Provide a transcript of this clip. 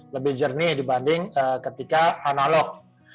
lebih jernih dibanding ketika analog